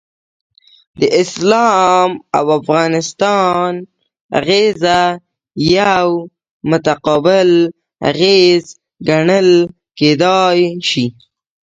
د اسلام او افغانستان اغیزه یو متقابل اغیز ګڼل کیدای شي.